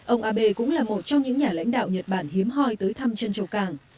ông abe cũng là một trong những nhà lãnh đạo nhật bản hiếm hoi tới thăm trân châu cảng